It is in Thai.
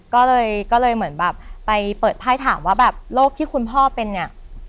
ก็เลยก็เลยเหมือนแบบไปเปิดไพ่ถามว่าแบบโรคที่คุณพ่อเป็นเนี่ย